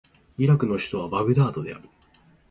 イラクの首都はバグダードである